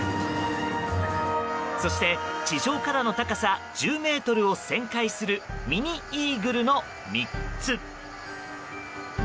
そして地上からの高さ１０ｍを旋回するミニイーグルの３つ。